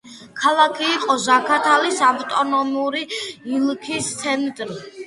ქალაქი იყო ზაქათალის ავტონომიური ოლქის ცენტრი.